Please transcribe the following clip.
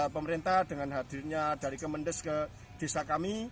pemerintah dengan hadirnya dari kemendes ke desa kami